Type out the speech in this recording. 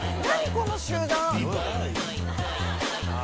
この集団。